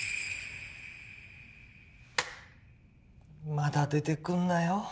まだ出てくんなよ